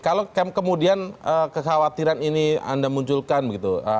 kalau kemudian kekhawatiran ini anda munculkan begitu